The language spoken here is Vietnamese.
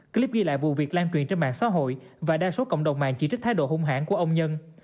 clip ghi lại vụ việc lan truyền trên mạng xã hội và đa số cộng đồng mạng chỉ trích thái độ hung hãn của ông nhân